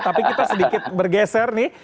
tapi kita sedikit bergeser nih